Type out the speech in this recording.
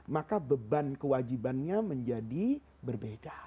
maka beban kewajibannya menjadi berbeda